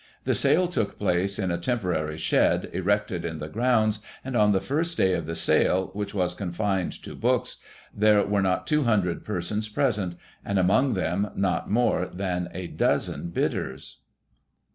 The sale took place in a temporary shed, erected in the grounds, and on the first day of the sale, which was confined to books, there were not 200 persons present, and among them, not more than a dozen bidders.